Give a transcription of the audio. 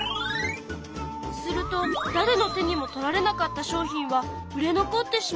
するとだれの手にも取られなかった商品は売れ残ってしまうの。